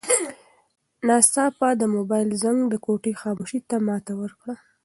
ناڅاپه د موبایل زنګ د کوټې خاموشي ماته کړه.